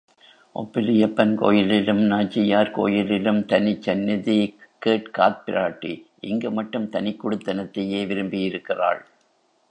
ஒப்பிலியப்பன் கோயிலிலும், நாச்சியார் கோயிலிலும் தனிச் சந்நிதி கேட்காத் பிராட்டி, இங்கு மட்டும் தனிக் குடித்தனத்தையே விரும்பியிருக்கிறாள்.